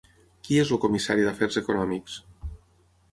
Qui és el comissari d'Afers Econòmics?